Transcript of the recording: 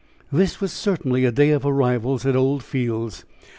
This was certainly a day of arrivals at Old Fields.